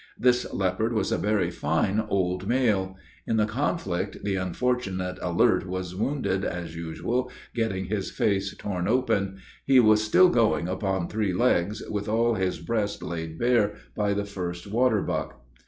This leopard was a very fine old male; in the conflict, the unfortunate Alert was wounded, as usual, getting his face torn open; he was still going upon three legs, with all his breast laid bare by the first water buck.